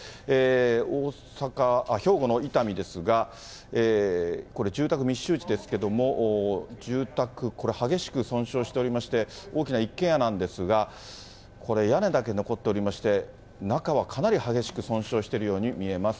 兵庫の伊丹ですが、これ、住宅密集地ですけれども、住宅、これ、激しく損傷しておりまして、大きな一軒家なんですが、これ、屋根だけ残っておりまして、中はかなり激しく損傷しているように見えます。